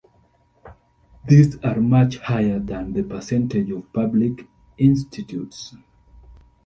These are much higher than the percentage of public institutes.